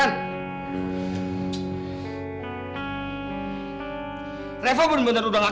soalnya mau pindah